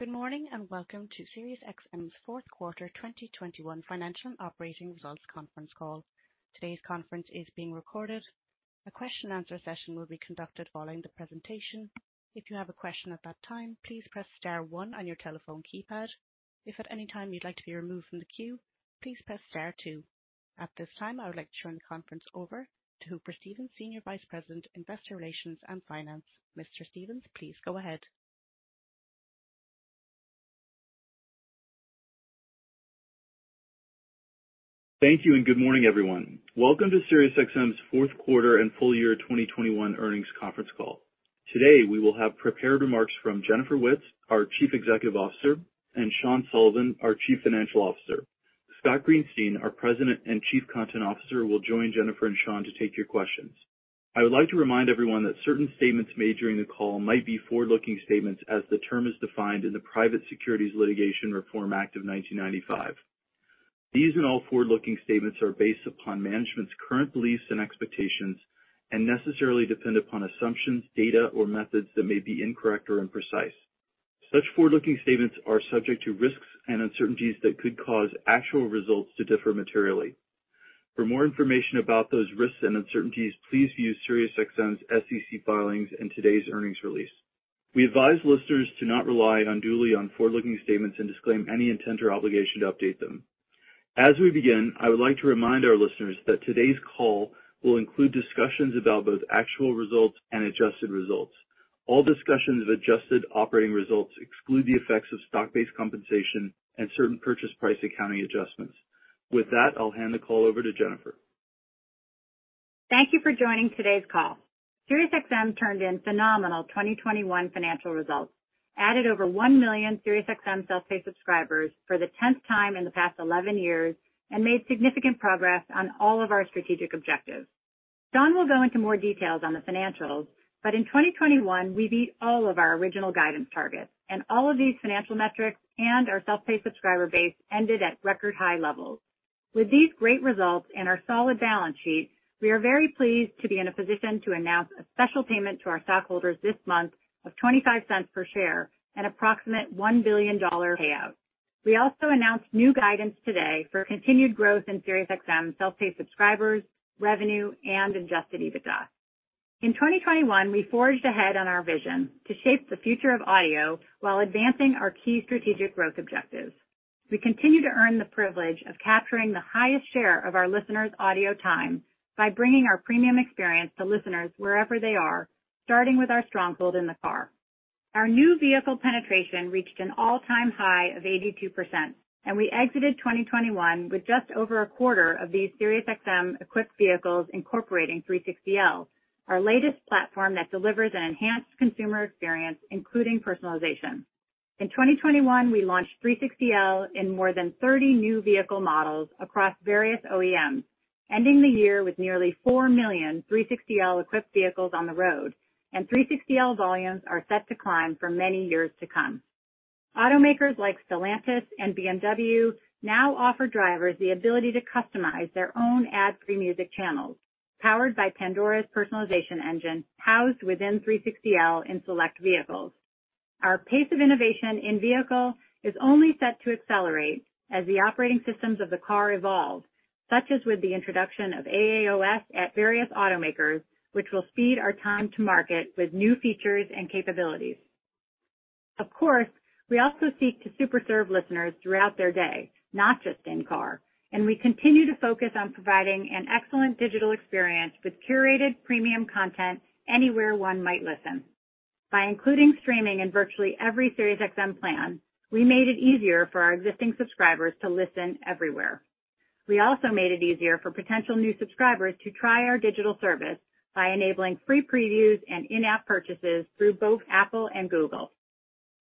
Good morning, and welcome to SiriusXM's fourth quarter 2021 financial and operating results conference call. Today's conference is being recorded. A question-and-answer session will be conducted following the presentation. If you have a question at that time, please press star one on your telephone keypad. If at any time you'd like to be removed from the queue, please press star two. At this time, I would like to turn the conference over to Hooper Stevens, Senior Vice President, Investor Relations and Finance. Mr. Stevens, please go ahead. Thank you and good morning, everyone. Welcome to SiriusXM's fourth quarter and full year 2021 earnings conference call. Today, we will have prepared remarks from Jennifer Witz, our Chief Executive Officer, and Sean Sullivan, our Chief Financial Officer. Scott Greenstein, our President and Chief Content Officer, will join Jennifer and Sean to take your questions. I would like to remind everyone that certain statements made during the call might be forward-looking statements as the term is defined in the Private Securities Litigation Reform Act of 1995. These and all forward-looking statements are based upon management's current beliefs and expectations and necessarily depend upon assumptions, data, or methods that may be incorrect or imprecise. Such forward-looking statements are subject to risks and uncertainties that could cause actual results to differ materially. For more information about those risks and uncertainties, please view SiriusXM's SEC filings and today's earnings release. We advise listeners to not rely unduly on forward-looking statements and disclaim any intent or obligation to update them. As we begin, I would like to remind our listeners that today's call will include discussions about both actual results and adjusted results. All discussions of adjusted operating results exclude the effects of stock-based compensation and certain purchase price accounting adjustments. With that, I'll hand the call over to Jennifer. Thank you for joining today's call. SiriusXM turned in phenomenal 2021 financial results, added over 1 million SiriusXM self-pay subscribers for the 10th time in the past 11 years, and made significant progress on all of our strategic objectives. Sean will go into more details on the financials, but in 2021, we beat all of our original guidance targets. All of these financial metrics and our self-pay subscriber base ended at record high levels. With these great results and our solid balance sheet, we are very pleased to be in a position to announce a special payment to our stockholders this month of $0.25 per share at an approximate $1 billion payout. We also announced new guidance today for continued growth in SiriusXM self-pay subscribers, revenue, and adjusted EBITDA. In 2021, we forged ahead on our vision to shape the future of audio while advancing our key strategic growth objectives. We continue to earn the privilege of capturing the highest share of our listeners' audio time by bringing our premium experience to listeners wherever they are, starting with our stronghold in the car. Our new vehicle penetration reached an all-time high of 82%, and we exited 2021 with just over a quarter of these SiriusXM-equipped vehicles incorporating 360L, our latest platform that delivers an enhanced consumer experience, including personalization. In 2021, we launched 360L in more than 30 new vehicle models across various OEMs, ending the year with nearly 4 million 360L-equipped vehicles on the road, and 360L volumes are set to climb for many years to come. Automakers like Stellantis and BMW now offer drivers the ability to customize their own ad-free music channels powered by Pandora's personalization engine housed within 360L in select vehicles. Our pace of innovation in-vehicle is only set to accelerate as the operating systems of the car evolve, such as with the introduction of AAOS at various automakers, which will speed our time to market with new features and capabilities. Of course, we also seek to superserve listeners throughout their day, not just in-car, and we continue to focus on providing an excellent digital experience with curated premium content anywhere one might listen. By including streaming in virtually every SiriusXM plan, we made it easier for our existing subscribers to listen everywhere. We also made it easier for potential new subscribers to try our digital service by enabling free previews and in-app purchases through both Apple and Google.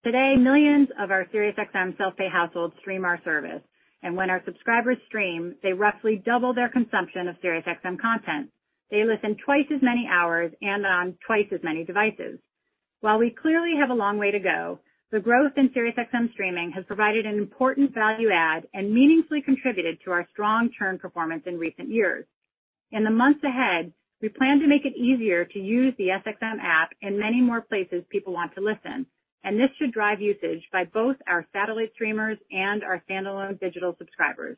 Today, millions of our SiriusXM self-pay households stream our service, and when our subscribers stream, they roughly double their consumption of SiriusXM content. They listen twice as many hours and on twice as many devices. While we clearly have a long way to go, the growth in SiriusXM streaming has provided an important value add and meaningfully contributed to our strong churn performance in recent years. In the months ahead, we plan to make it easier to use the SXM app in many more places people want to listen, and this should drive usage by both our satellite streamers and our standalone digital subscribers.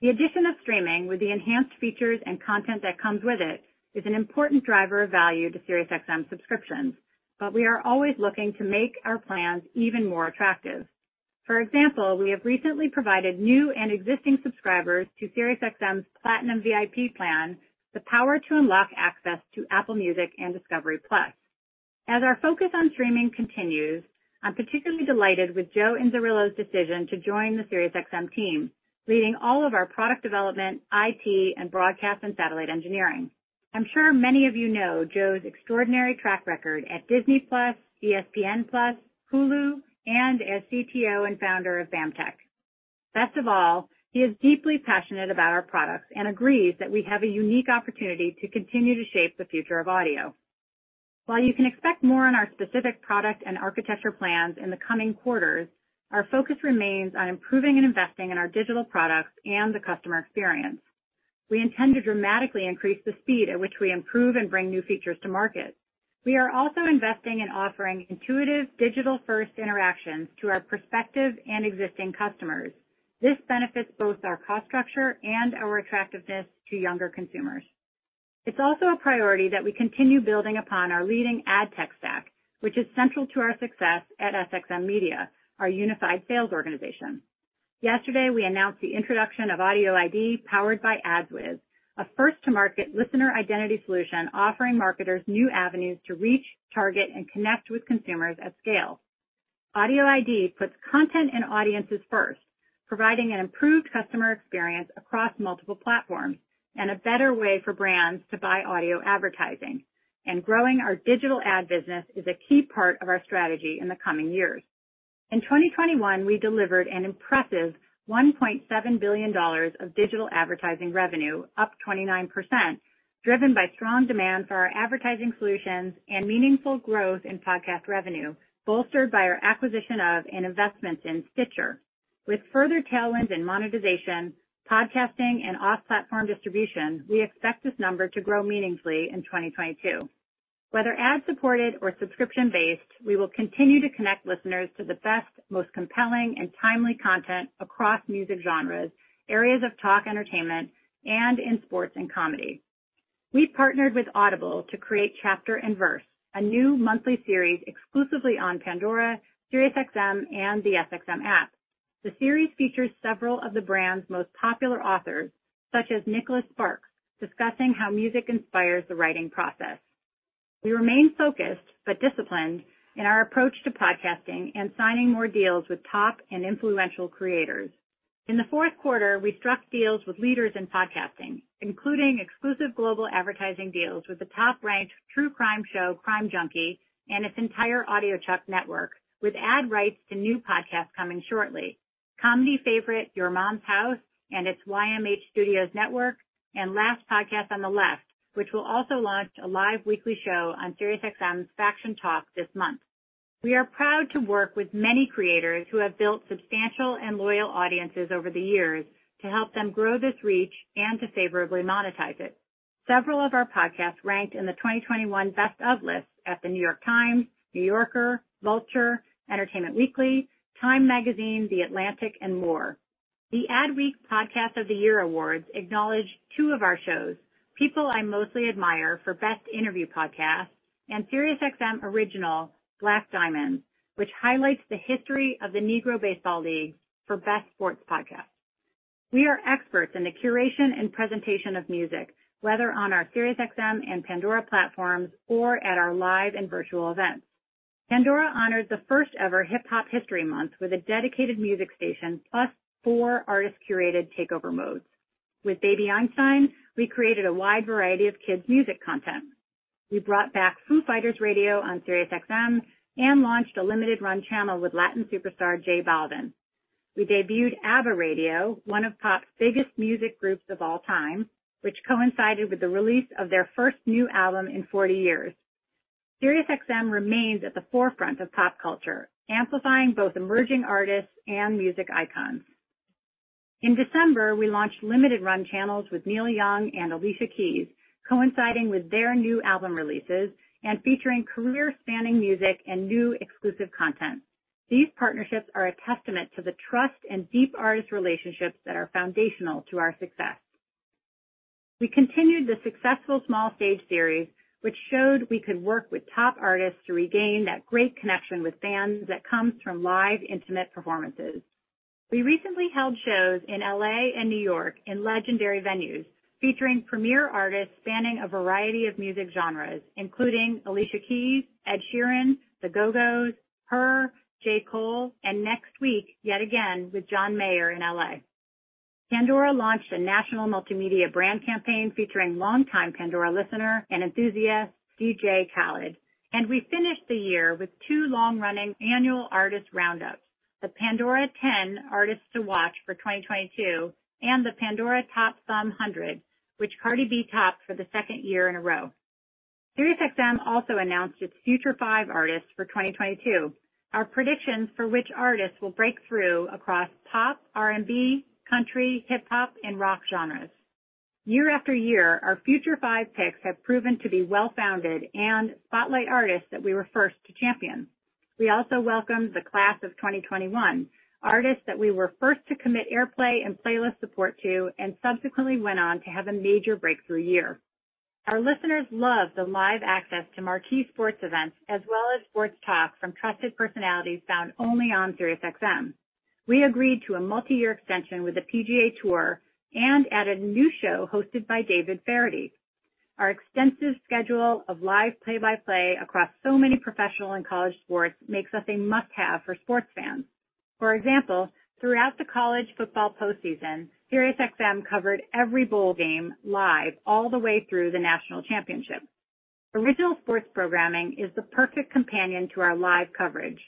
The addition of streaming with the enhanced features and content that comes with it is an important driver of value to SiriusXM subscriptions, but we are always looking to make our plans even more attractive. For example, we have recently provided new and existing subscribers to SiriusXM's Platinum VIP plan, the power to unlock access to Apple Music and Discovery+. As our focus on streaming continues, I'm particularly delighted with Joe Inzerillo's decision to join the SiriusXM team, leading all of our product development, IT, and broadcast and satellite engineering. I'm sure many of you know Joe's extraordinary track record at Disney+, ESPN+, Hulu, and as CTO and founder of BAMTech. Best of all, he is deeply passionate about our products and agrees that we have a unique opportunity to continue to shape the future of audio. While you can expect more on our specific product and architecture plans in the coming quarters, our focus remains on improving and investing in our digital products and the customer experience. We intend to dramatically increase the speed at which we improve and bring new features to market. We are also investing in offering intuitive digital-first interactions to our prospective and existing customers. This benefits both our cost structure and our attractiveness to younger consumers. It's also a priority that we continue building upon our leading ad tech stack, which is central to our success at SXM Media, our unified sales organization. Yesterday, we announced the introduction of AudioID, powered by AdsWizz, a first-to-market listener identity solution offering marketers new avenues to reach, target, and connect with consumers at scale. AudioID puts content and audiences first, providing an improved customer experience across multiple platforms and a better way for brands to buy audio advertising. Growing our digital ad business is a key part of our strategy in the coming years. In 2021, we delivered an impressive $1.7 billion of digital advertising revenue, up 29%, driven by strong demand for our advertising solutions and meaningful growth in podcast revenue, bolstered by our acquisition of and investments in Stitcher. With further tailwinds in monetization, podcasting, and off-platform distribution, we expect this number to grow meaningfully in 2022. Whether ad-supported or subscription-based, we will continue to connect listeners to the best, most compelling, and timely content across music genres, areas of talk entertainment, and in sports and comedy. We partnered with Audible to create Chapter and Verse, a new monthly series exclusively on Pandora, SiriusXM, and the SXM App. The series features several of the brand's most popular authors, such as Nicholas Sparks, discussing how music inspires the writing process. We remain focused but disciplined in our approach to podcasting and signing more deals with top and influential creators. In the fourth quarter, we struck deals with leaders in podcasting, including exclusive global advertising deals with the top-ranked true crime show, Crime Junkie, and its entire Audiochuck network, with ad rights to new podcasts coming shortly. Comedy favorite, Your Mom's House, and its YMH Studios network, and Last Podcast on the Left, which will also launch a live weekly show on SiriusXM's Faction Talk this month. We are proud to work with many creators who have built substantial and loyal audiences over the years to help them grow this reach and to favorably monetize it. Several of our podcasts ranked in the 2021 best of lists at The New York Times, The New Yorker, Vulture, Entertainment Weekly, Time Magazine, The Atlantic, and more. The Adweek Podcast of the Year Awards acknowledged two of our shows, People I (Mostly) Admire for best interview podcast, and SiriusXM original, Black Diamonds, which highlights the history of the Negro Baseball Leagues for best sports podcast. We are experts in the curation and presentation of music, whether on our SiriusXM and Pandora platforms or at our live and virtual events. Pandora honored the first-ever Hip Hop History Month with a dedicated music station, plus four artist-curated takeover modes. With Baby Einstein, we created a wide variety of kids' music content. We brought back Foo Fighters Radio on SiriusXM and launched a limited run channel with Latin superstar J Balvin. We debuted ABBA Radio, one of pop's biggest music groups of all time, which coincided with the release of their first new album in 40 years. SiriusXM remains at the forefront of pop culture, amplifying both emerging artists and music icons. In December, we launched limited run channels with Neil Young and Alicia Keys, coinciding with their new album releases and featuring career-spanning music and new exclusive content. These partnerships are a testament to the trust and deep artist relationships that are foundational to our success. We continued the successful Small Stage Series, which showed we could work with top artists to regain that great connection with fans that comes from live intimate performances. We recently held shows in L.A. and New York in legendary venues featuring premier artists spanning a variety of music genres, including Alicia Keys, Ed Sheeran, The Go-Go's, H.E.R., J. Cole, and next week, yet again with John Mayer in L.A. Pandora launched a national multimedia brand campaign featuring longtime Pandora listener and enthusiast DJ Khaled. We finished the year with two long-running annual artist roundups, the Pandora Ten Artists to Watch for 2022, and the Pandora Top Thumb Hundred, which Cardi B topped for the second year in a row. SiriusXM also announced its Future Five Artists for 2022, our predictions for which artists will break through across pop, R&B, country, hip-hop, and rock genres. Year after year, our Future Five picks have proven to be well-founded and spotlight artists that we were first to champion. We also welcomed the class of 2021, artists that we were first to commit airplay and playlist support to and subsequently went on to have a major breakthrough year. Our listeners love the live access to marquee sports events as well as sports talk from trusted personalities found only on SiriusXM. We agreed to a multiyear extension with the PGA Tour and added a new show hosted by David Feherty. Our extensive schedule of live play-by-play across so many professional and college sports makes us a must-have for sports fans. For example, throughout the college football postseason, SiriusXM covered every bowl game live all the way through the national championship. Original sports programming is the perfect companion to our live coverage.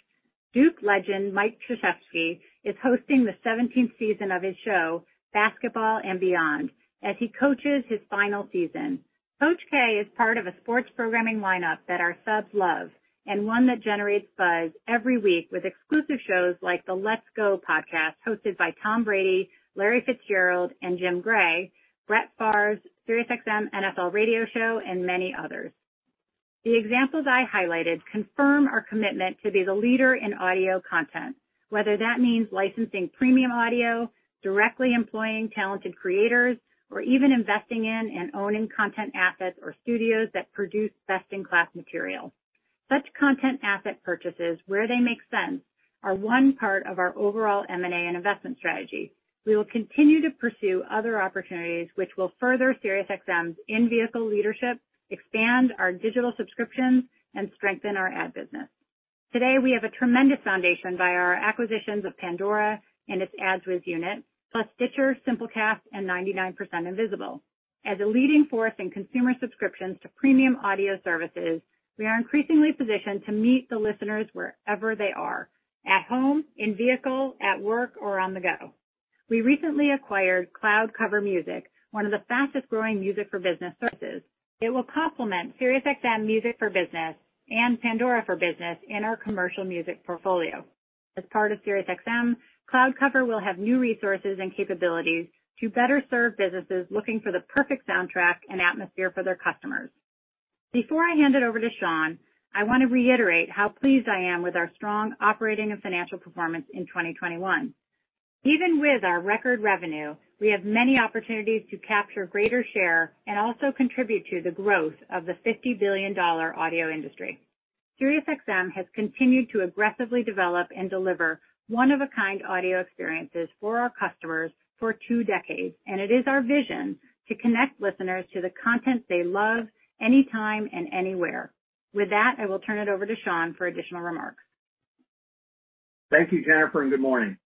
Duke legend Mike Krzyzewski is hosting the seventeenth season of his show, Basketball and Beyond, as he coaches his final season. Coach K is part of a sports programming lineup that our subs love and one that generates buzz every week with exclusive shows like the Let's Go podcast hosted by Tom Brady, Larry Fitzgerald, and Jim Gray, Brett Favre's SiriusXM NFL radio show, and many others. The examples I highlighted confirm our commitment to be the leader in audio content, whether that means licensing premium audio, directly employing talented creators, or even investing in and owning content assets or studios that produce best-in-class material. Such content asset purchases, where they make sense, are one part of our overall M&A and investment strategy. We will continue to pursue other opportunities which will further SiriusXM's in-vehicle leadership, expand our digital subscriptions, and strengthen our ad business. Today, we have a tremendous foundation by our acquisitions of Pandora and its AdsWizz unit, plus Stitcher, Simplecast, and 99% Invisible. As a leading force in consumer subscriptions to premium audio services, we are increasingly positioned to meet the listeners wherever they are, at home, in vehicle, at work, or on the go. We recently acquired CloudCover Music, one of the fastest-growing music for business services. It will complement SiriusXM Music for Business and Pandora for Business in our commercial music portfolio. As part of SiriusXM, CloudCover will have new resources and capabilities to better serve businesses looking for the perfect soundtrack and atmosphere for their customers. Before I hand it over to Sean, I wanna reiterate how pleased I am with our strong operating and financial performance in 2021. Even with our record revenue, we have many opportunities to capture greater share and also contribute to the growth of the $50 billion audio industry. SiriusXM has continued to aggressively develop and deliver one-of-a-kind audio experiences for our customers for two decades, and it is our vision to connect listeners to the content they love anytime and anywhere. With that, I will turn it over to Sean for additional remarks. Thank you, Jennifer, and good morning.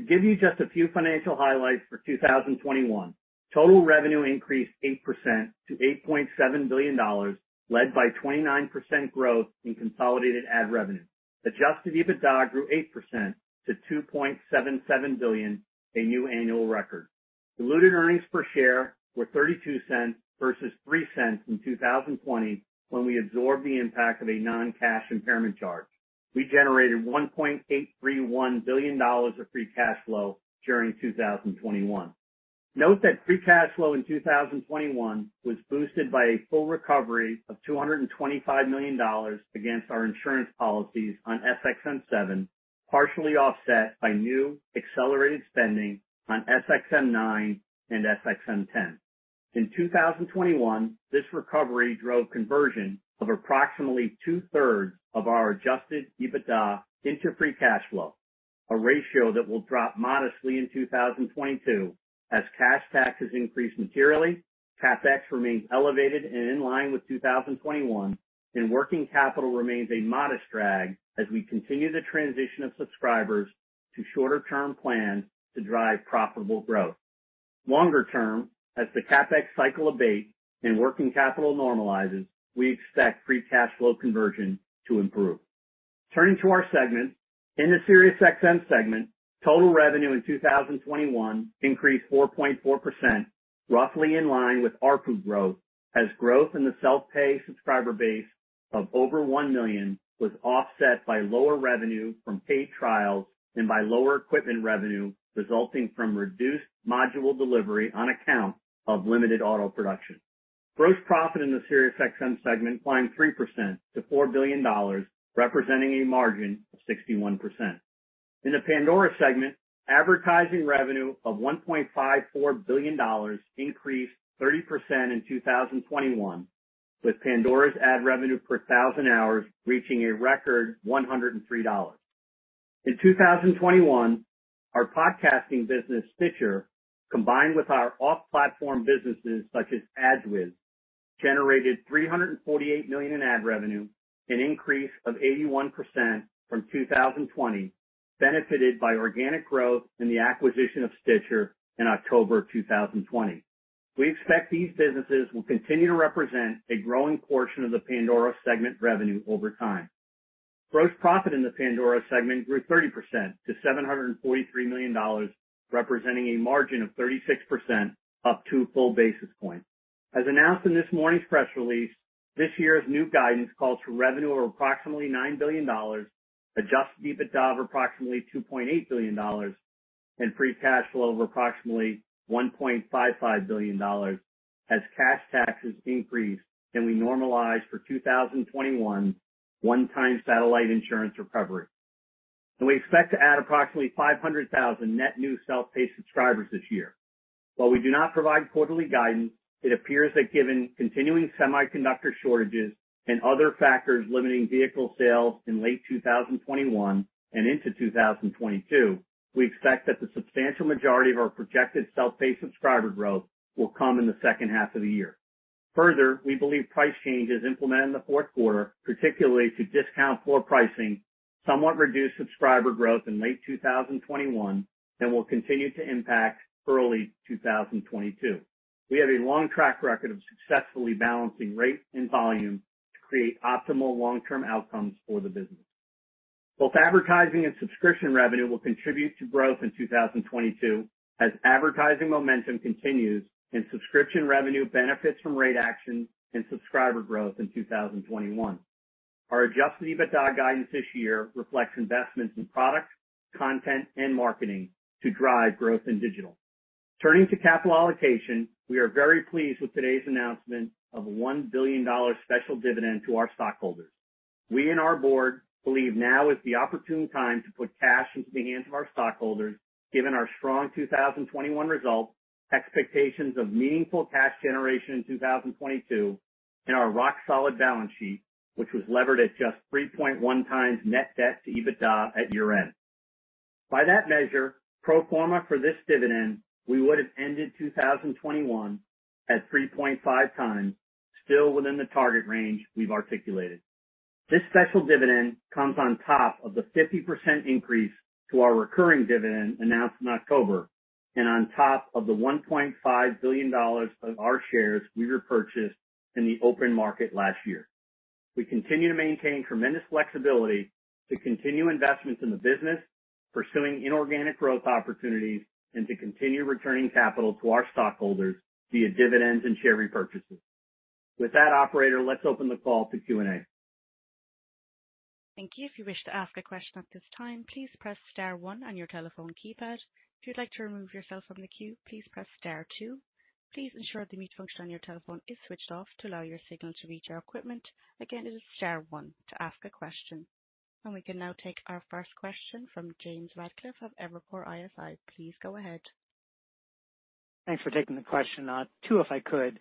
To give you just a few financial highlights for 2021. Total revenue increased 8% to $8.7 billion, led by 29% growth in consolidated ad revenue. Adjusted EBITDA grew 8% to $2.77 billion, a new annual record. Diluted earnings per share were $0.32 versus $0.03 in 2020 when we absorbed the impact of a non-cash impairment charge. We generated $1.831 billion of free cash flow during 2021. Note that free cash flow in 2021 was boosted by a full recovery of $225 million against our insurance policies on SXM-7, partially offset by new accelerated spending on SXM-9 and SXM-10. In 2021, this recovery drove conversion of approximately two-thirds of our adjusted EBITDA into free cash flow, a ratio that will drop modestly in 2022 as cash taxes increase materially, CapEx remains elevated and in line with 2021, and working capital remains a modest drag as we continue the transition of subscribers to shorter-term plans to drive profitable growth. Longer term, as the CapEx cycle abates and working capital normalizes, we expect free cash flow conversion to improve. Turning to our segments. In the SiriusXM segment, total revenue in 2021 increased 4.4%, roughly in line with ARPU growth, as growth in the self-pay subscriber base of over 1 million was offset by lower revenue from paid trials and by lower equipment revenue resulting from reduced module delivery on account of limited auto production. Gross profit in the SiriusXM segment climbed 3% to $4 billion, representing a margin of 61%. In the Pandora segment, advertising revenue of $1.54 billion increased 30% in 2021, with Pandora's ad revenue per thousand hours reaching a record $103. In 2021, our podcasting business, Stitcher, combined with our off-platform businesses such as AdsWizz, generated $348 million in ad revenue, an increase of 81% from 2020, benefited by organic growth in the acquisition of Stitcher in October of 2020. We expect these businesses will continue to represent a growing portion of the Pandora segment revenue over time. Gross profit in the Pandora segment grew 30% to $743 million, representing a margin of 36%, up 2 full basis points. As announced in this morning's press release, this year's new guidance calls for revenue of approximately $9 billion, adjusted EBITDA of approximately $2.8 billion, and free cash flow of approximately $1.55 billion as cash taxes increase, and we normalize for 2021 one-time satellite insurance recovery. We expect to add approximately 500,000 net new self-pay subscribers this year. While we do not provide quarterly guidance, it appears that given continuing semiconductor shortages and other factors limiting vehicle sales in late 2021 and into 2022, we expect that the substantial majority of our projected self-pay subscriber growth will come in the second half of the year. Further, we believe price changes implemented in the fourth quarter, particularly to discount floor pricing, somewhat reduced subscriber growth in late 2021 and will continue to impact early 2022. We have a long track record of successfully balancing rate and volume to create optimal long-term outcomes for the business. Both advertising and subscription revenue will contribute to growth in 2022 as advertising momentum continues and subscription revenue benefits from rate actions and subscriber growth in 2021. Our adjusted EBITDA guidance this year reflects investments in products, content and marketing to drive growth in digital. Turning to capital allocation, we are very pleased with today's announcement of $1 billion special dividend to our stockholders. We and our board believe now is the opportune time to put cash into the hands of our stockholders, given our strong 2021 results, expectations of meaningful cash generation in 2022, and our rock-solid balance sheet, which was levered at just 3.1x net debt to EBITDA at year-end. By that measure, pro forma for this dividend, we would have ended 2021 at 3.5x, still within the target range we've articulated. This special dividend comes on top of the 50% increase to our recurring dividend announced in October, and on top of the $1.5 billion of our shares we repurchased in the open market last year. We continue to maintain tremendous flexibility to continue investments in the business, pursuing inorganic growth opportunities, and to continue returning capital to our stockholders via dividends and share repurchases. With that, operator, let's open the call to Q&A. Thank you. If you wish to ask a question at this time, please press star one on your telephone keypad. If you'd like to remove yourself from the queue, please press star two. Please ensure the mute function on your telephone is switched off to allow your signal to reach our equipment. Again, it is star one to ask a question. We can now take our first question from James Ratcliffe of Evercore ISI. Please go ahead. Thanks for taking the question. Two, if I could.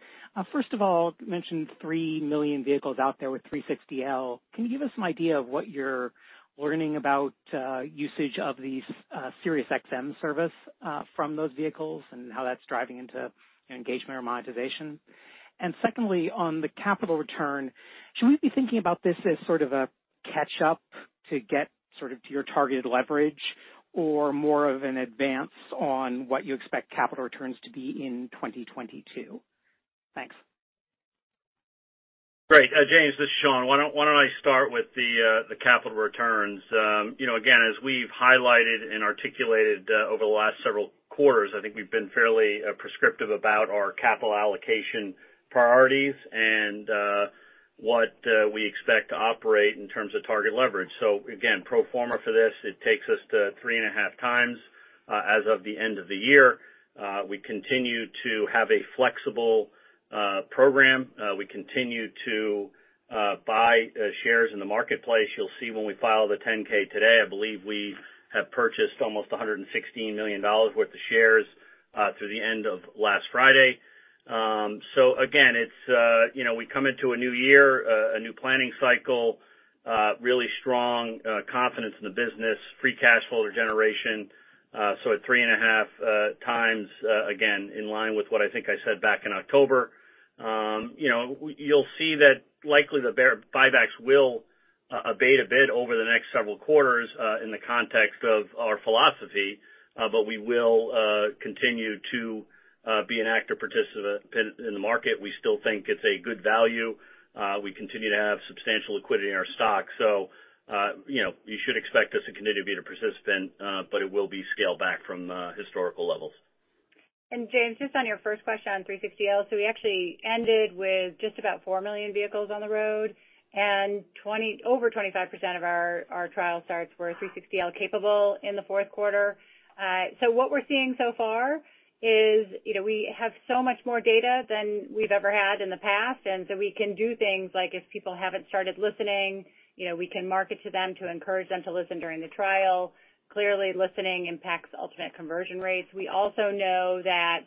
First of all, you mentioned 3 million vehicles out there with SiriusXM with 360L. Can you give us some idea of what you're learning about usage of these SiriusXM service from those vehicles and how that's driving into engagement or monetization? Secondly, on the capital return, should we be thinking about this as sort of a catch-up to get sort of to your targeted leverage or more of an advance on what you expect capital returns to be in 2022? Thanks. Great. James, this is Sean. Why don't I start with the capital returns? You know, again, as we've highlighted and articulated over the last several quarters, I think we've been fairly prescriptive about our capital allocation priorities and what we expect to operate in terms of target leverage. Again, pro forma for this, it takes us to 3.5 times as of the end of the year. We continue to have a flexible program. We continue to buy shares in the marketplace. You'll see when we file the 10-K today, I believe we have purchased almost $116 million worth of shares through the end of last Friday. Again, it's you know, we come into a new year, a new planning cycle, really strong confidence in the business, free cash flow generation, so at 3.5x, again, in line with what I think I said back in October. You know, you'll see that likely the buybacks will abate a bit over the next several quarters, in the context of our philosophy, but we will continue to be an active participant in the market. We still think it's a good value. We continue to have substantial liquidity in our stock. You know, you should expect us to continue to be the participant, but it will be scaled back from historical levels. James, just on your first question on 360L, we actually ended with just about 4 million vehicles on the road and over 25% of our trial starts were 360L capable in the fourth quarter. What we're seeing so far is, you know, we have so much more data than we've ever had in the past, and we can do things like if people haven't started listening, you know, we can market to them to encourage them to listen during the trial. Clearly, listening impacts ultimate conversion rates. We also know that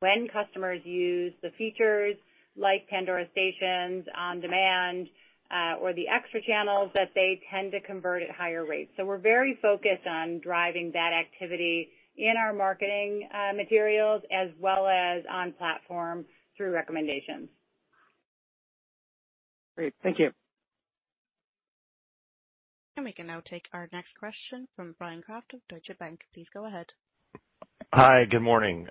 when customers use the features like Pandora Stations on Demand, or the extra channels, that they tend to convert at higher rates. We're very focused on driving that activity in our marketing materials as well as on platform through recommendations. Great. Thank you. We can now take our next question from Bryan Kraft of Deutsche Bank. Please go ahead. Hi, good morning.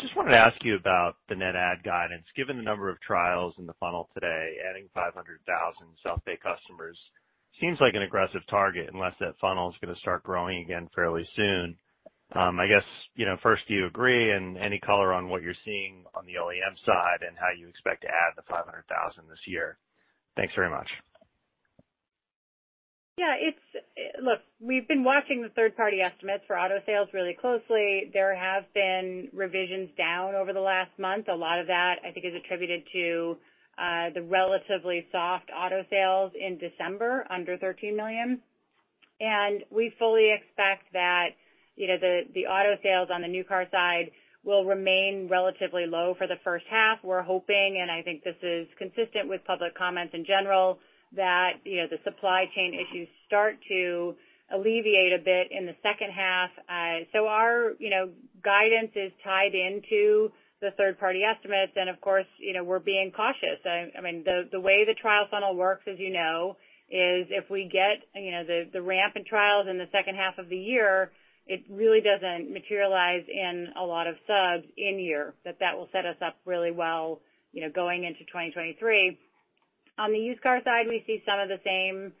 Just wanted to ask you about the net add guidance. Given the number of trials in the funnel today, adding 500,000 self-pay customers seems like an aggressive target unless that funnel is gonna start growing again fairly soon. I guess, you know, first, do you agree? Any color on what you're seeing on the OEM side and how you expect to add the 500,000 this year. Thanks very much. Look, we've been watching the third-party estimates for auto sales really closely. There have been revisions down over the last month. A lot of that, I think, is attributed to the relatively soft auto sales in December, under 13 million. We fully expect that, you know, the auto sales on the new car side will remain relatively low for the first half. We're hoping, and I think this is consistent with public comments in general, that, you know, the supply chain issues start to alleviate a bit in the second half. Our guidance is tied into the third-party estimates. Of course, you know, we're being cautious. I mean, the way the trial funnel works, as you know, is if we get you know the ramp in trials in the second half of the year, it really doesn't materialize in a lot of subs in year. That will set us up really well, you know, going into 2023. On the used car side, we see some of the same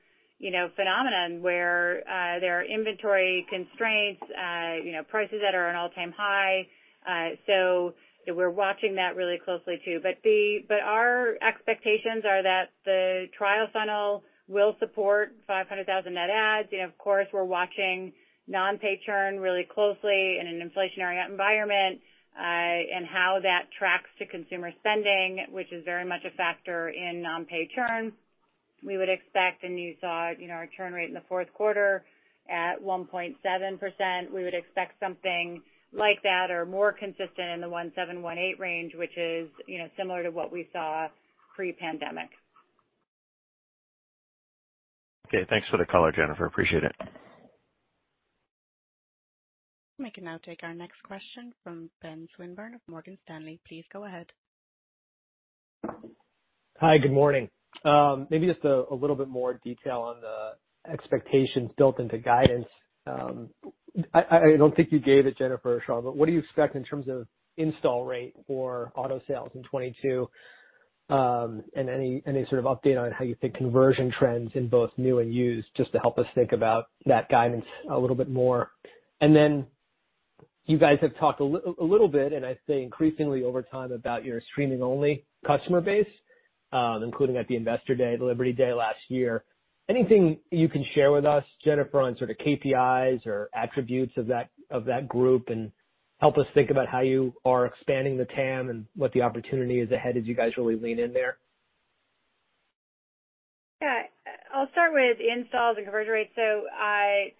phenomenon where there are inventory constraints you know prices that are at an all-time high. So we're watching that really closely too. Our expectations are that the trial funnel will support 500,000 net adds. Of course, we're watching non-pay churn really closely in an inflationary environment and how that tracks to consumer spending, which is very much a factor in non-pay churn. We would expect, and you saw, you know, our churn rate in the fourth quarter at 1.7%, we would expect something like that or more consistent in the 1.7%-1.8% range, which is, you know, similar to what we saw pre-pandemic. Okay, thanks for the color, Jennifer. Appreciate it. We can now take our next question from Benjamin Swinburne of Morgan Stanley. Please go ahead. Hi, good morning. Maybe just a little bit more detail on the expectations built into guidance. I don't think you gave it, Jennifer Witz or Sean Sullivan, but what do you expect in terms of install rate for auto sales in 2022? Any sort of update on how you think conversion trends in both new and used, just to help us think about that guidance a little bit more. You guys have talked a little bit, and I'd say increasingly over time, about your streaming-only customer base, including at the Liberty Investor Day last year. Anything you can share with us, Jennifer, on sort of KPIs or attributes of that group and help us think about how you are expanding the TAM and what the opportunity is ahead as you guys really lean in there? I'll start with installs and conversion rates.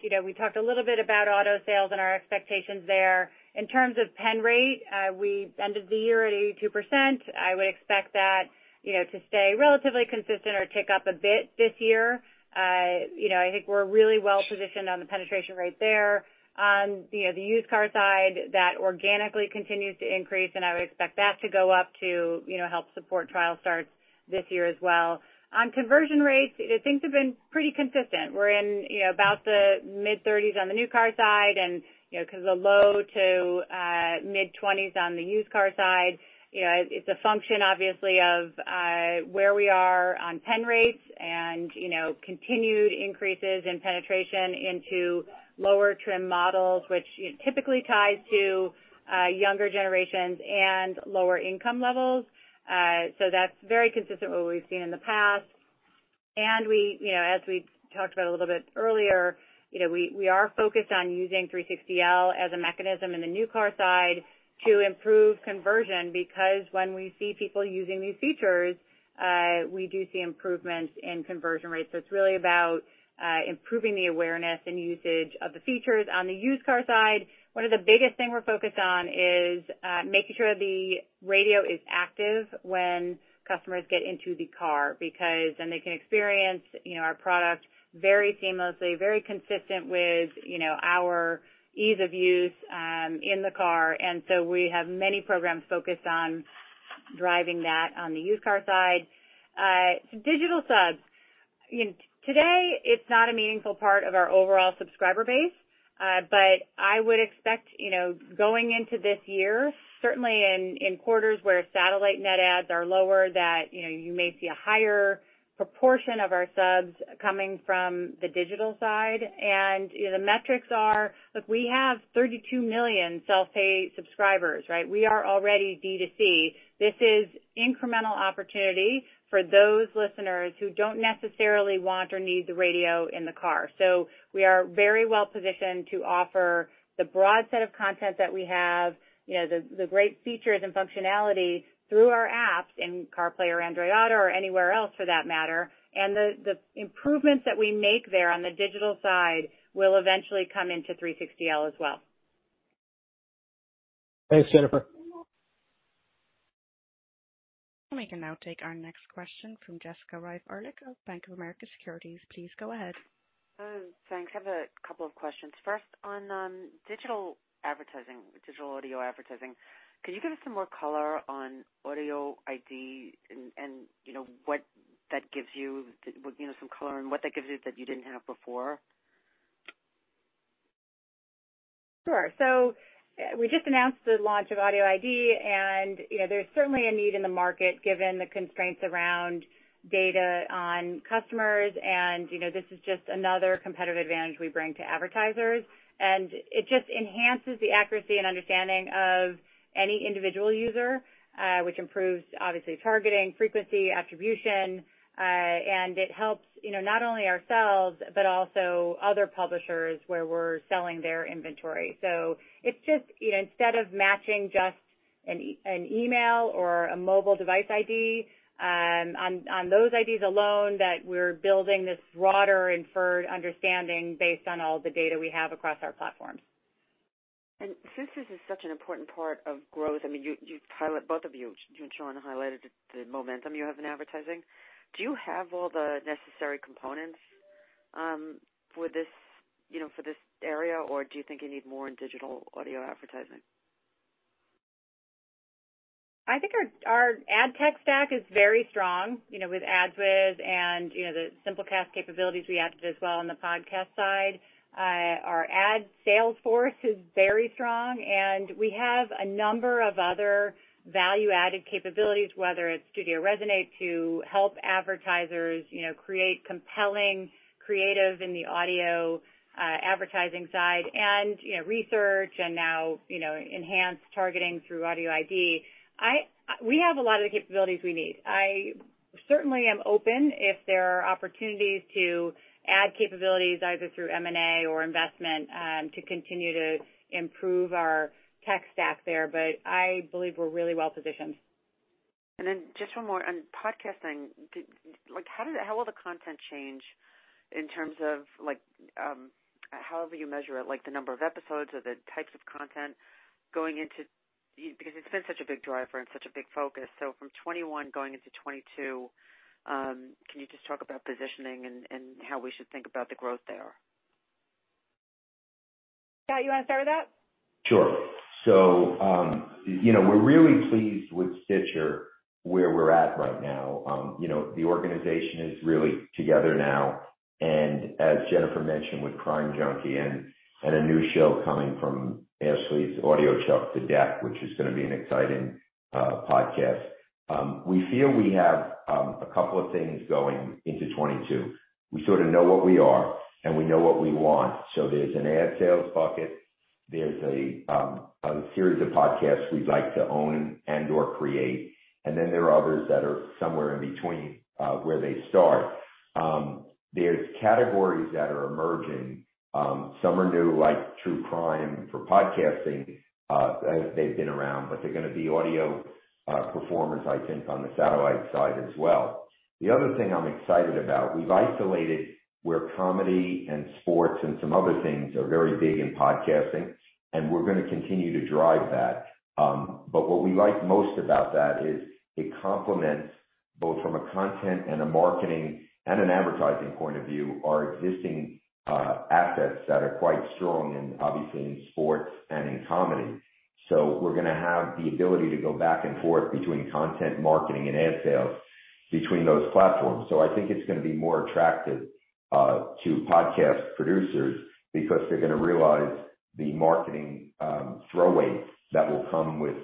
You know, we talked a little bit about auto sales and our expectations there. In terms of pen rate, we ended the year at 82%. I would expect that, you know, to stay relatively consistent or tick up a bit this year. You know, I think we're really well positioned on the penetration rate there. On, you know, the used car side, that organically continues to increase, and I would expect that to go up to, you know, help support trial starts this year as well. On conversion rates, things have been pretty consistent. We're in, you know, about the mid-30s on the new car side and, you know, kind of the low- to mid-20s on the used car side. You know, it's a function, obviously, of, where we are on penetration rates and, you know, continued increases in penetration into lower trim models, which typically ties to, younger generations and lower income levels. That's very consistent with what we've seen in the past. We, you know, as we talked about a little bit earlier, you know, we are focused on using SiriusXM with 360L as a mechanism in the new car side to improve conversion because when we see people using these features, we do see improvements in conversion rates. It's really about improving the awareness and usage of the features. On the used car side, one of the biggest thing we're focused on is making sure the radio is active when customers get into the car because then they can experience, you know, our product very seamlessly, very consistent with, you know, our ease of use in the car. We have many programs focused on driving that on the used car side. To digital subs, you know, today it's not a meaningful part of our overall subscriber base, but I would expect, you know, going into this year, certainly in quarters where satellite net adds are lower, that, you know, you may see a higher proportion of our subs coming from the digital side. You know, the metrics are, look, we have 32 million self-pay subscribers, right? We are already D2C. This is incremental opportunity for those listeners who don't necessarily want or need the radio in the car. We are very well positioned to offer the broad set of content that we have, you know, the great features and functionality through our apps in CarPlay or Android Auto or anywhere else for that matter. The improvements that we make there on the digital side will eventually come into SiriusXM with 360L as well. Thanks, Jennifer. We can now take our next question from Jessica Reif Ehrlich of Bank of America Securities. Please go ahead. Thanks. I have a couple of questions. First, on digital advertising, digital audio advertising, could you give us some more color on AudioID and you know, what that gives you know, some color on what that gives you that you didn't have before? Sure. We just announced the launch of AudioID, and, you know, there's certainly a need in the market given the constraints around data on customers, and, you know, this is just another competitive advantage we bring to advertisers. It just enhances the accuracy and understanding of any individual user, which improves obviously targeting, frequency, attribution, and it helps, you know, not only ourselves, but also other publishers where we're selling their inventory. It's just, you know, instead of matching just an email or a mobile device ID, on those IDs alone, that we're building this broader inferred understanding based on all the data we have across our platforms. Since this is such an important part of growth, I mean, you highlight, both of you and Sean highlighted the momentum you have in advertising. Do you have all the necessary components for this, you know, for this area, or do you think you need more in digital audio advertising? I think our ad tech stack is very strong, you know, with AdsWizz and, you know, the Simplecast capabilities we added as well on the podcast side. Our ad sales force is very strong, and we have a number of other value-added capabilities, whether it's Studio Resonate to help advertisers, you know, create compelling creative in the audio advertising side and, you know, research and now, you know, enhanced targeting through AudioID. We have a lot of the capabilities we need. I certainly am open if there are opportunities to add capabilities either through M&A or investment to continue to improve our tech stack there. I believe we're really well-positioned. Just one more on podcasting. Like, how will the content change in terms of like, however you measure it, like the number of episodes or the types of content going into it. Because it's been such a big driver and such a big focus. From 2021 going into 2022, can you just talk about positioning and how we should think about the growth there? Scott, you wanna start with that? Sure. You know, we're really pleased with Stitcher, where we're at right now. You know, the organization is really together now, and as Jennifer mentioned, with Crime Junkie and a new show coming from Ashley's Audiochuck to Death, which is gonna be an exciting podcast. We feel we have a couple of things going into 2022. We sort of know what we are, and we know what we want. There's an ad sales bucket. There's a series of podcasts we'd like to own and/or create, and then there are others that are somewhere in between, where they start. There's categories that are emerging. Some are new, like true crime for podcasting, as they've been around, but they're gonna be audio performers, I think, on the satellite side as well. The other thing I'm excited about, we've isolated where comedy and sports and some other things are very big in podcasting, and we're gonna continue to drive that. What we like most about that is it complements, both from a content and a marketing and an advertising point of view, our existing assets that are quite strong and obviously in sports and in comedy. We're gonna have the ability to go back and forth between content marketing and ad sales between those platforms. I think it's gonna be more attractive to podcast producers because they're gonna realize the marketing throw weight that will come with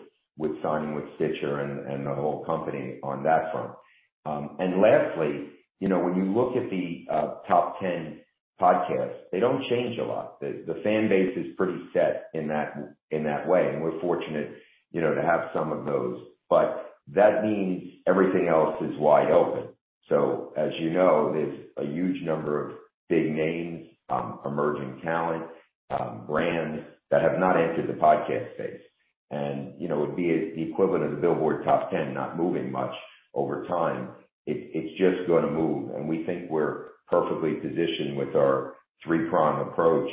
signing with Stitcher and the whole company on that front. Lastly, you know, when you look at the top 10 podcasts, they don't change a lot. The fan base is pretty set in that way, and we're fortunate, you know, to have some of those. That means everything else is wide open. As you know, there's a huge number of big names, emerging talent, brands that have not entered the podcast space. You know, it would be the equivalent of the Billboard Top 10 not moving much over time. It's just gonna move, and we think we're perfectly positioned with our three-prong approach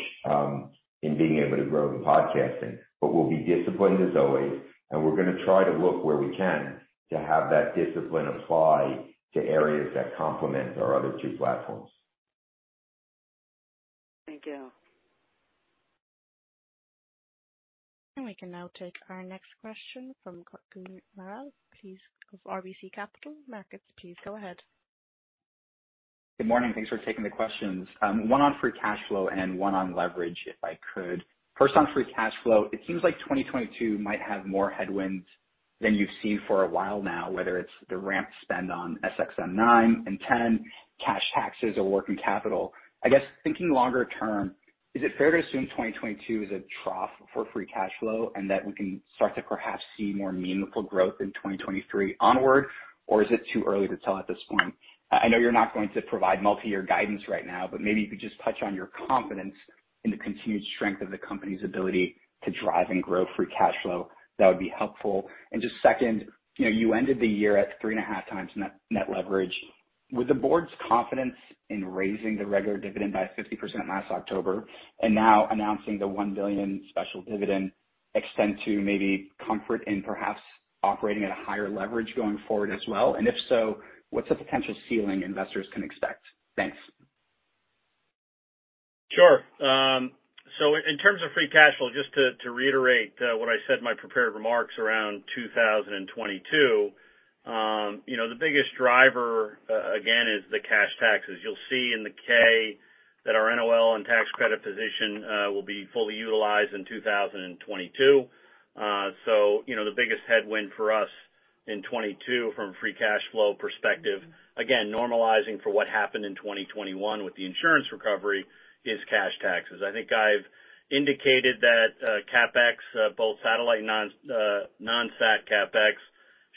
in being able to grow the podcasting. We'll be disciplined as always, and we're gonna try to look where we can to have that discipline apply to areas that complement our other two platforms. Thank you. We can now take our next question from Kutgun Maral of RBC Capital Markets. Please go ahead. Good morning. Thanks for taking the questions. One on free cash flow and one on leverage, if I could. First, on free cash flow, it seems like 2022 might have more headwinds than you've seen for a while now, whether it's the ramp spend on SXM-9 and SXM-10, cash taxes or working capital. I guess, thinking longer term, is it fair to assume 2022 is a trough for free cash flow and that we can start to perhaps see more meaningful growth in 2023 onward, or is it too early to tell at this point? I know you're not going to provide multi-year guidance right now, but maybe if you just touch on your confidence in the continued strength of the company's ability to drive and grow free cash flow, that would be helpful. Just second, you know, you ended the year at 3.5X net net leverage. Would the board's confidence in raising the regular dividend by 50% last October and now announcing the $1 billion special dividend extend to maybe comfort in perhaps operating at a higher leverage going forward as well? If so, what's the potential ceiling investors can expect? Thanks. Sure. In terms of free cash flow, just to reiterate what I said in my prepared remarks around 2022, you know, the biggest driver, again, is the cash taxes. You'll see in the 10-K that our NOL and tax credit position will be fully utilized in 2022. You know, the biggest headwind for us in 2022 from a free cash flow perspective, again, normalizing for what happened in 2021 with the insurance recovery, is cash taxes. I think I've indicated that, CapEx, both satellite and non-sat CapEx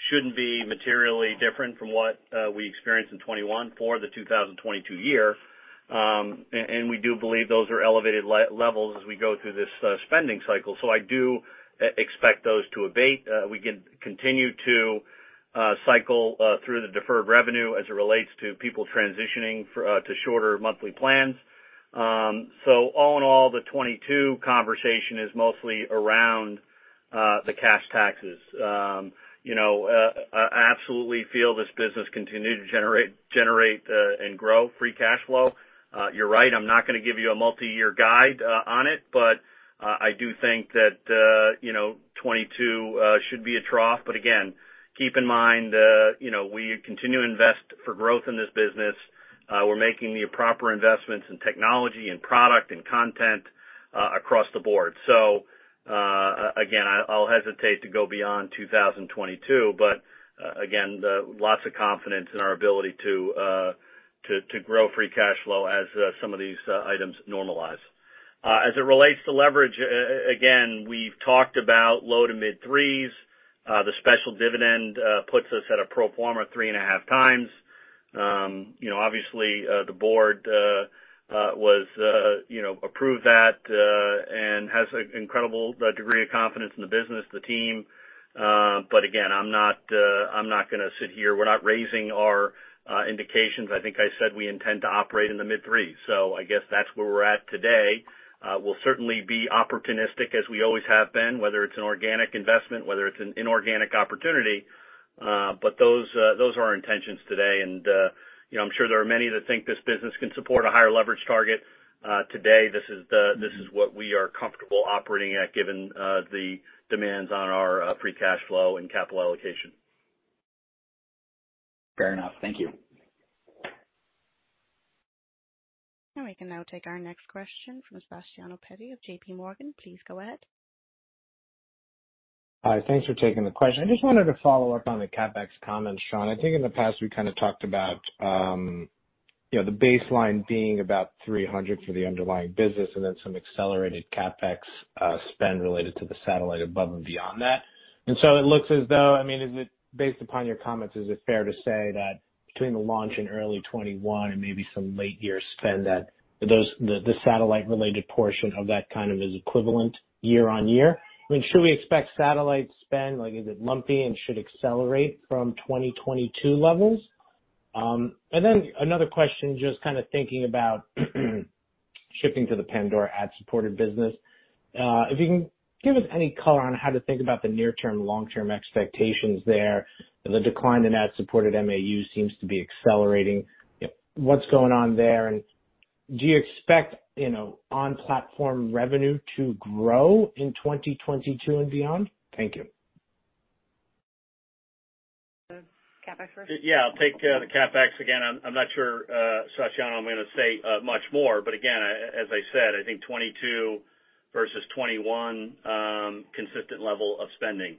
shouldn't be materially different from what we experienced in 2021 for the 2022 year. We do believe those are elevated levels as we go through this spending cycle. I do expect those to abate. We can continue to cycle through the deferred revenue as it relates to people transitioning to shorter monthly plans. All in all, the 2022 conversation is mostly around the cash taxes. You know, I absolutely feel this business continue to generate and grow free cash flow. You're right, I'm not gonna give you a multi-year guide on it, but I do think that you know, 2022 should be a trough. Again, keep in mind you know, we continue to invest for growth in this business. We're making the proper investments in technology and product and content across the board. Again, I'll hesitate to go beyond 2022. Again, lots of confidence in our ability to grow free cash flow as some of these items normalize. As it relates to leverage, we've talked about low- to mid-3s. The special dividend puts us at a pro forma 3.5x. You know, obviously, the board approved that and has an incredible degree of confidence in the business, the team. Again, I'm not gonna sit here. We're not raising our indications. I think I said we intend to operate in the mid-3s, so I guess that's where we're at today. We'll certainly be opportunistic as we always have been, whether it's an organic investment, whether it's an inorganic opportunity, but those are our intentions today. you know, I'm sure there are many that think this business can support a higher leverage target. Today, this is what we are comfortable operating at, given the demands on our free cash flow and capital allocation. Fair enough. Thank you. We can now take our next question from Sebastiano Petti of J.P. Morgan. Please go ahead. Hi. Thanks for taking the question. I just wanted to follow up on the CapEx comments, Sean. I think in the past, we kind of talked about, you know, the baseline being about $300 million for the underlying business and then some accelerated CapEx spend related to the satellite above and beyond that. It looks as though, I mean, is it based upon your comments, is it fair to say that between the launch in early 2021 and maybe some late-year spend that the satellite related portion of that kind of is equivalent year on year? I mean, should we expect satellite spend, like, is it lumpy and should accelerate from 2022 levels? And then another question, just kind of thinking about shifting to the Pandora ad-supported business. If you can give us any color on how to think about the near-term, long-term expectations there. The decline in ad-supported MAU seems to be accelerating. What's going on there? And do you expect, you know, on-platform revenue to grow in 2022 and beyond? Thank you. The CapEx first. Yeah, I'll take the CapEx again. I'm not sure, Sebastiano, I'm going to say much more. Again, as I said, I think 2022 versus 2021, consistent level of spending.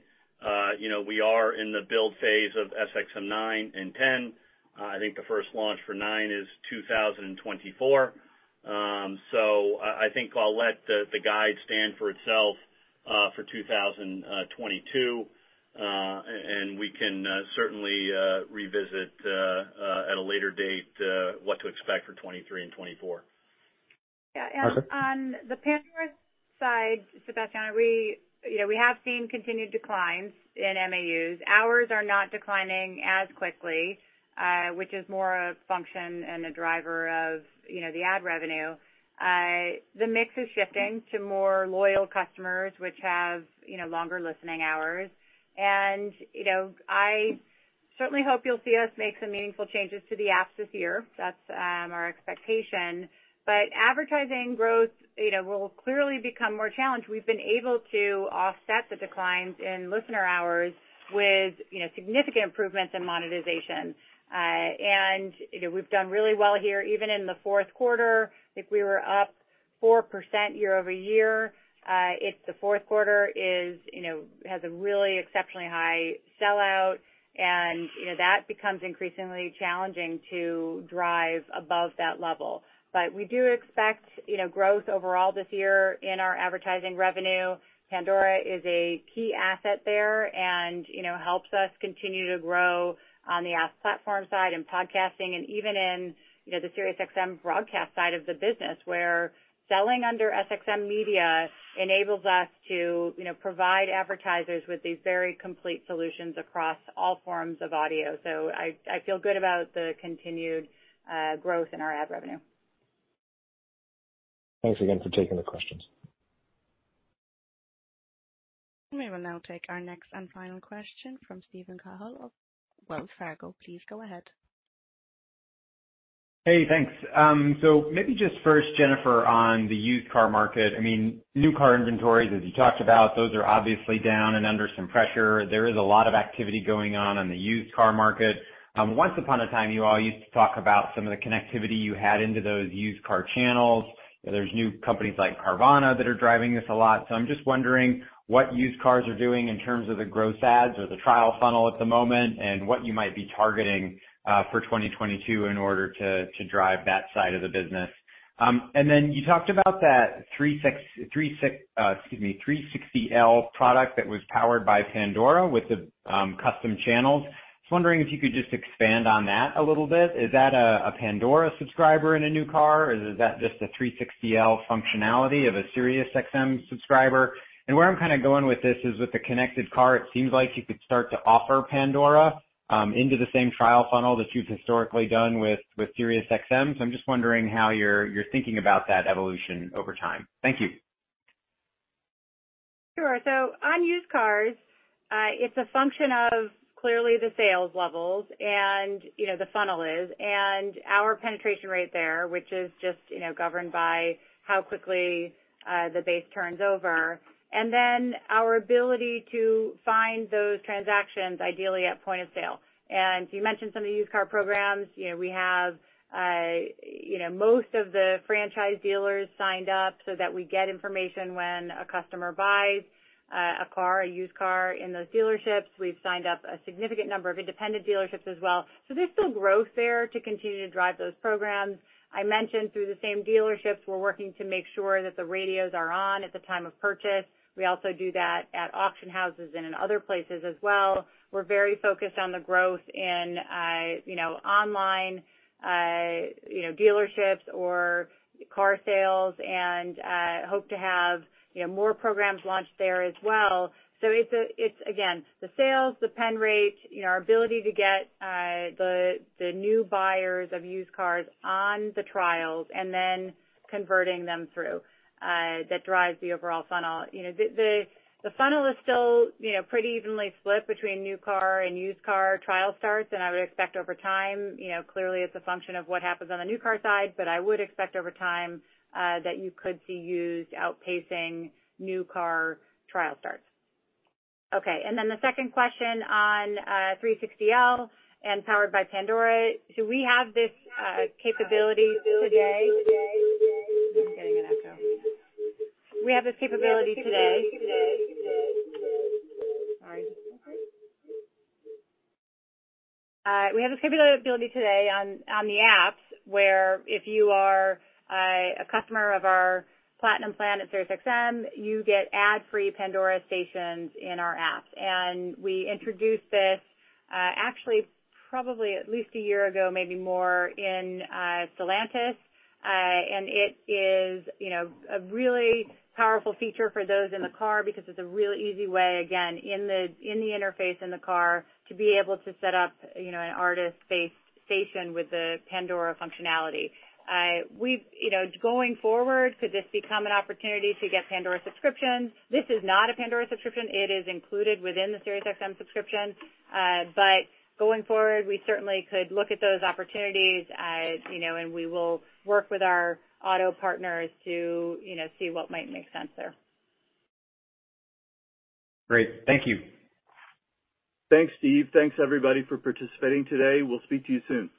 You know, we are in the build phase of SXM-9 and SXM-10. I think the first launch for SXM-9 is 2024. I think I'll let the guide stand for itself, for 2022, and we can certainly revisit at a later date what to expect for 2023 and 2024. Yeah. On the Pandora side, Sebastiano, we you know we have seen continued declines in MAUs. Ours are not declining as quickly, which is more a function and a driver of you know the ad revenue. The mix is shifting to more loyal customers which have you know longer listening hours. You know I certainly hope you'll see us make some meaningful changes to the apps this year. That's our expectation. Advertising growth you know will clearly become more challenged. We've been able to offset the declines in listener hours with you know significant improvements in monetization. You know we've done really well here, even in the fourth quarter. If we were up 4% year-over-year, it's the fourth quarter you know has a really exceptionally high sellout and that becomes increasingly challenging to drive above that level. We do expect, you know, growth overall this year in our advertising revenue. Pandora is a key asset there and you know, helps us continue to grow on the ads platform side and podcasting and even in, you know, the SiriusXM broadcast side of the business where selling under SXM Media enables us to, you know, provide advertisers with these very complete solutions across all forms of audio. I feel good about the continued growth in our ad revenue. Thanks again for taking the questions. We will now take our next and final question from Steven Cahall of Wells Fargo. Please go ahead. Hey, thanks. Maybe just first, Jennifer, on the used car market. I mean, new car inventories, as you talked about, those are obviously down and under some pressure. There is a lot of activity going on on the used car market. Once upon a time, you all used to talk about some of the connectivity you had into those used car channels. There's new companies like Carvana that are driving this a lot. I'm just wondering what used cars are doing in terms of the gross adds or the trial funnel at the moment and what you might be targeting for 2022 in order to drive that side of the business. And then you talked about that SiriusXM with 360L product that was powered by Pandora with the custom channels. I was wondering if you could just expand on that a little bit. Is that a Pandora subscriber in a new car or is that just a SiriusXM with 360L functionality of a SiriusXM subscriber? And where I'm kind of going with this is with the connected car, it seems like you could start to offer Pandora into the same trial funnel that you've historically done with SiriusXM. I'm just wondering how you're thinking about that evolution over time. Thank you. Sure. On used cars, it's a function of clearly the sales levels and, you know, the funnel is, and our penetration rate there, which is just, you know, governed by how quickly the base turns over. Then our ability to find those transactions ideally at point of sale. You mentioned some of the used car programs. You know, we have, you know, most of the franchise dealers signed up so that we get information when a customer buys a car, a used car in those dealerships. We've signed up a significant number of independent dealerships as well. There's still growth there to continue to drive those programs. I mentioned through the same dealerships, we're working to make sure that the radios are on at the time of purchase. We also do that at auction houses and in other places as well. We're very focused on the growth in, you know, online, you know, dealerships or car sales and hope to have, you know, more programs launched there as well. It's again the sales, the pen rate, you know, our ability to get the new buyers of used cars on the trials and then converting them through that drives the overall funnel. You know, the funnel is still, you know, pretty evenly split between new car and used car trial starts, and I would expect over time. You know, clearly it's a function of what happens on the new car side, but I would expect over time that you could see used outpacing new car trial starts. Okay, and then the second question on 360L and Powered by Pandora. Do we have this capability today? We have this capability today on the apps, where if you are a customer of our Platinum plan at SiriusXM, you get ad-free Pandora stations in our apps. We introduced this actually probably at least a year ago, maybe more in Stellantis. It is, you know, a really powerful feature for those in the car because it's a real easy way, again, in the interface in the car to be able to set up, you know, an artist base station with the Pandora functionality. You know, going forward, could this become an opportunity to get Pandora subscriptions? This is not a Pandora subscription. It is included within the SiriusXM subscription. But going forward, we certainly could look at those opportunities. You know, we will work with our auto partners to, you know, see what might make sense there. Great. Thank you. Thanks, Steve. Thanks everybody for participating today. We'll speak to you soon.